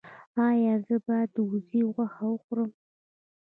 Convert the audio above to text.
ایا زه باید د وزې غوښه وخورم؟